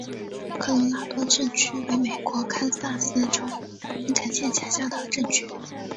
科罗拉多镇区为美国堪萨斯州林肯县辖下的镇区。